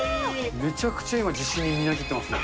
めちゃくちゃ、自信にみなぎっていますね。